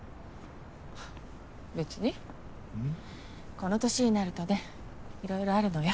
この年になるとねいろいろあるのよ。